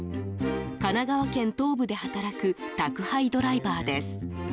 神奈川県東部で働く宅配ドライバーです。